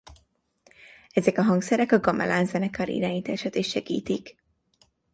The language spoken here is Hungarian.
Ezek a hangszerek a gamelán zenekar irányítását is segítik.